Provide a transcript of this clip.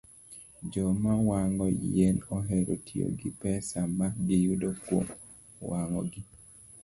Joma wang'o yien ohero tiyo gi pesa ma giyudo kuom wang'ogi.